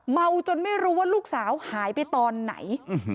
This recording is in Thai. เมาจนไม่รู้ว่าลูกสาวหายไปตอนไหน